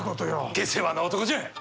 下世話な男じゃ。